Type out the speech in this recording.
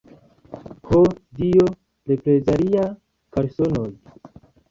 Ho Dio, reprezaliaj kalsonoj!